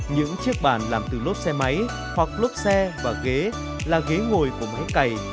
những chiếc bàn làm từ lốp xe máy hoặc lốp xe và ghế là ghế ngồi của máy cày